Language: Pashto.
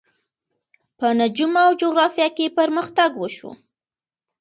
په نجوم او جغرافیه کې پرمختګ وشو.